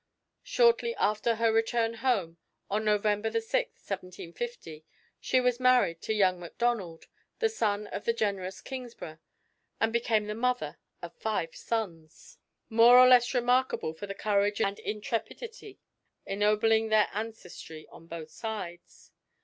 Shortly after her return home, on November 6, 1750, she was married to young Macdonald, the son of the generous Kingsburgh, and became the mother of five sons, more or less remarkable for the courage and intrepidity ennobling their ancestry on both sides.